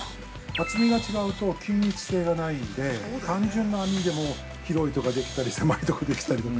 ◆厚みが違うと均一性がないんで単純な編みも広いとこできたり狭いとこできたり。